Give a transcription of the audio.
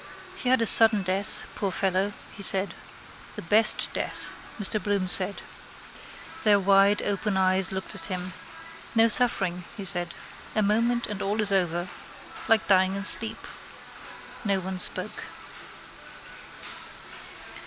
—He had a sudden death, poor fellow, he said. —The best death, Mr Bloom said. Their wide open eyes looked at him. —No suffering, he said. A moment and all is over. Like dying in sleep. No one spoke.